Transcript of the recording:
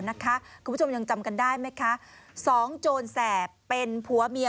คุณผู้ชมยังจำกันได้ไหมคะสองโจรแสบเป็นผัวเมีย